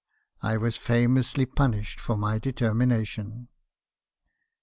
I was famously punished for my determi nation.